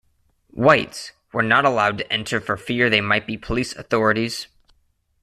"Whites" were not allowed to enter for fear they might be police authorities.